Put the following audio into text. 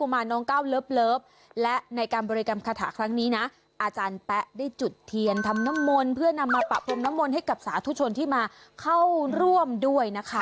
มาน้องก้าวเลิฟและในการบริกรรมคาถาครั้งนี้นะอาจารย์แป๊ะได้จุดเทียนทำน้ำมนต์เพื่อนำมาปะพรมน้ำมนต์ให้กับสาธุชนที่มาเข้าร่วมด้วยนะคะ